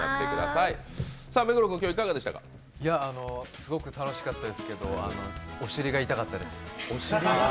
すごく楽しかったですけどお尻が痛かったです。